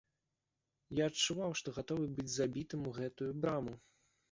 Я адчуваў, што гатовы быць забітым у гэтую браму.